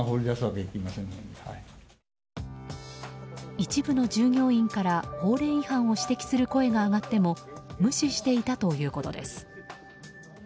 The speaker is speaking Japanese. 一部の従業員から法令違反を指摘する声が上がっても無視していたということです。